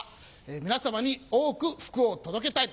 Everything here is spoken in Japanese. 皆さまに多くフクを届けたい。